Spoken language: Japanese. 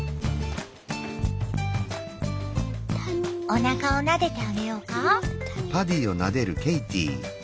おなかをなでてあげようか？